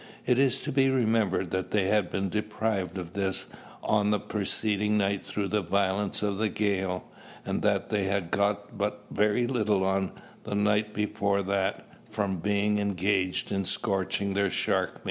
It is to be remembered that they had been deprived of this on the preceding night through the violence of the gale, and that they had got but very little on the night before that from being engaged in scorching their shark meat.